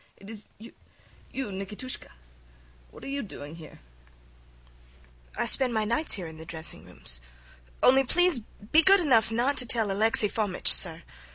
It is you ... you Nikitushka? What ... what are you doing here? IVANITCH. I spend my nights here in the dressing rooms. Only please be good enough not to tell Alexi Fomitch, sir.